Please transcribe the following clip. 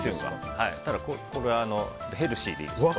ただ、これはヘルシーでいいですよね。